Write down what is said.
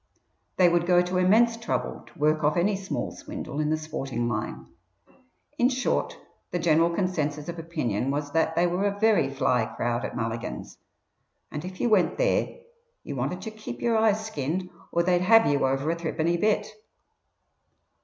They would go to immense trouble to work off any small swindle in the sporting line. In short the general consensus of opinion was that they were a very "fly" crowd at Mulligan's, and if you went there you wanted to "keep your eyes skinned" or they'd "have" you over a threepenny bit.